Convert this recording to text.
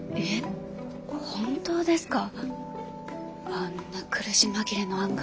あんな苦し紛れの案が。